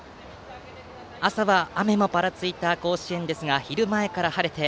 朝は、雨もぱらついた甲子園ですが昼前から晴れて